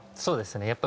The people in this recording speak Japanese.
そうですね。